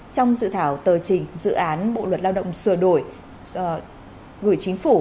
trong dự thảo tờ trình dự án bộ luật lao động sửa đổi gửi chính phủ